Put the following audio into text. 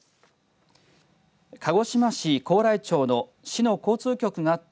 鹿児島市高麗町の市の交通局があった